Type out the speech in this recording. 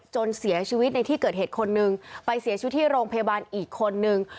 จนเสียชีวิตในที่เกิดเหตุคนนึงไปเสียชีวิตที่โรงพยาบาลอีกคนนึง